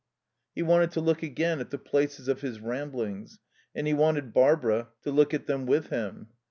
He wanted to look again at the places of his Ramblings, and he wanted Barbara to look at them with him.